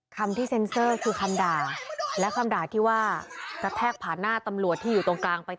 คำที่เซ็นเซอร์คือคำด่าและคำด่าที่ว่ากระแทกผ่านหน้าตำรวจที่อยู่ตรงกลางไป